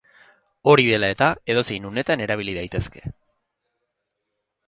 Hori dela eta, edozein unetan erabil daitezke.